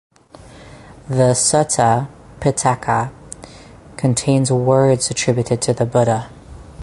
The "Sutta Pitaka" contains words attributed to the Buddha.